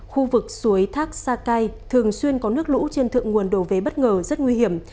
khu vực suối thác sa cai thường xuyên có nước lũ trên thượng nguồn đổ về bất ngờ rất nguy hiểm